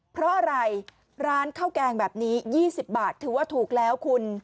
เพราะอะไรร้านข้าวแกงแบบนี้๒๐บาทถือว่าถูกแล้วคุณ